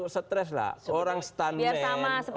stres lah orang stuntman